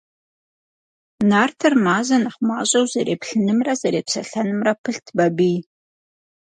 Нартыр Мазэ нэхъ мащӀэу зэреплъынымрэ зэрепсэлъэнымрэ пылът Бабий.